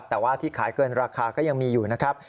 แต่ว่าที่ขายเกินราคาก็ยังมีอยู่นะครับ